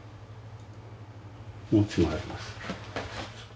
もう一枚あります。